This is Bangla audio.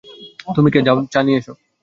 তুমি কে, যাও চা নিয়া আসো।